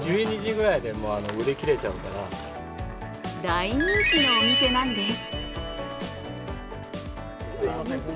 大人気のお店なんです。